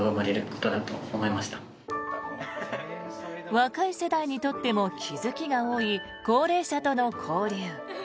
若い世代にとっても気付きが多い、高齢者との交流。